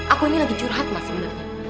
aku ini lagi curhat mas sebenarnya